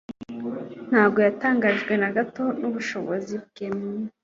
Ntabwo yatangajwe na gato n'ubushobozi bwe.